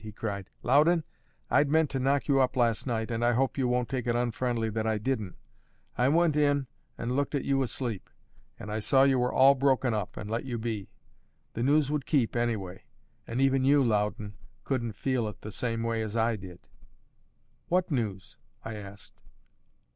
he cried. "Loudon, I'd meant to knock you up last night, and I hope you won't take it unfriendly that I didn't. I went in and looked at you asleep; and I saw you were all broken up, and let you be. The news would keep, anyway; and even you, Loudon, couldn't feel it the same way as I did." "What news?" I asked.